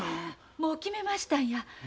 もう決めましたんや。